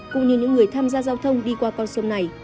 cũng như những người tham gia giao thông đi qua con sông này